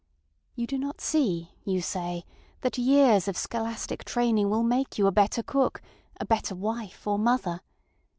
You do not see, you say, that years of scholastic training will make you a better cook, a better wife or mother.